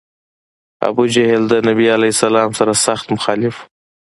ابوجهل د نبي علیه السلام سر سخت مخالف و.